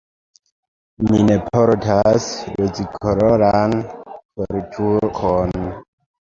Mi ne portas rozkoloran koltukon.